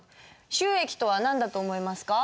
収益とは何だと思いますか？